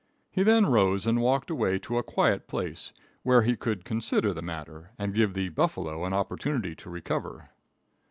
He then rose and walked away to a quiet place, where he could consider the matter and give the buffalo an opportunity to recover.